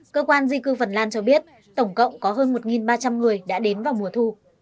cơ quan di cư phần lan cho biết tổng cộng có hơn một ba trăm linh người đã đến vào mùa thu